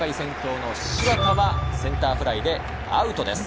センターフライでアウトです。